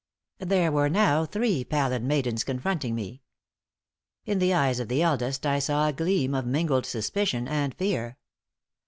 There were now three pallid maidens confronting me. In the eyes of the eldest I saw a gleam of mingled suspicion and fear.